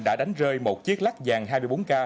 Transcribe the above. đã đánh rơi một chiếc lắc vàng hai mươi bốn k